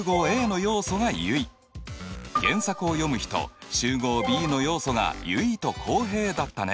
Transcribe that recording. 原作を読む人集合Ｂの要素が結衣と浩平だったね。